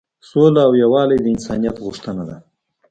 سوله او یووالی د انسانیت غوښتنه ده.